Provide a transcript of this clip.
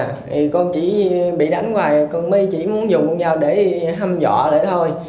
thì con chỉ bị đánh hoài con mới chỉ muốn dùng dao để hâm dọa lại thôi